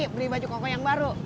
beli baju kokoh yang baru